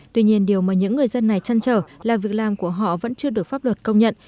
tuy nhiên điều mà những người dân này chăn trở là việc làm của họ vẫn chưa được pháp luật công nhận